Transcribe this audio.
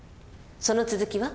その続きは？